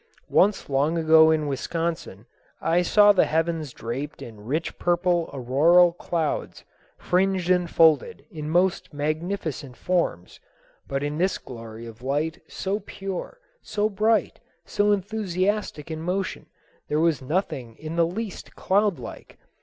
Once long ago in Wisconsin I saw the heavens draped in rich purple auroral clouds fringed and folded in most magnificent forms; but in this glory of light, so pure, so bright, so enthusiastic in motion, there was nothing in the least cloud like.